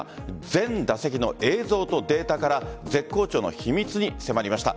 全打席の映像とデータから絶好調の秘密に迫りました。